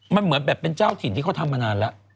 มันเหมือนแบบเป็นเจ้าถิ่นที่เขาทำมานานแล้ว